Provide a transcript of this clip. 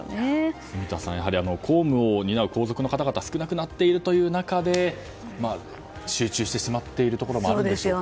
住田さん公務を担う皇族の方々少なくなっている中で集中しいるところあるでしょうか。